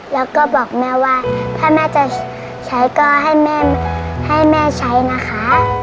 แล้วก็บอกแม่ว่าถ้าแม่จะใช้ก็ให้แม่ให้แม่ใช้นะคะ